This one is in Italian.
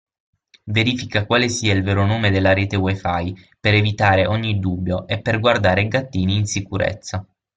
Verifica quale sia il vero nome della rete WiFi per evitare ogni dubbio e per guardare gattini in sicurezza!